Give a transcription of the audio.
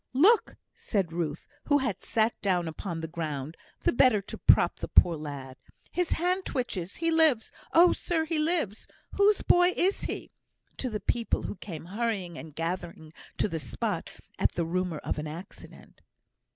"Look!" said Ruth, who had sat down upon the ground, the better to prop the poor lad, "his hand twitches! he lives! oh, sir, he lives! Whose boy is he?" (to the people, who came hurrying and gathering to the spot at the rumour of an accident).